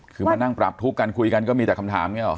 คือมานั่งปรับทุกข์กันคุยกันก็มีแต่คำถามอย่างนี้หรอ